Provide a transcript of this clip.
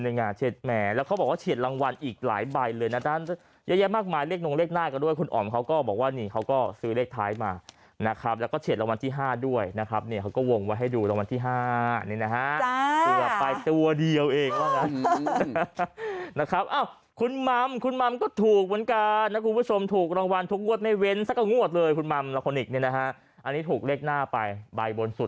นี่ต้องยอมจริงนะแม่ลูกคู่เนี่ย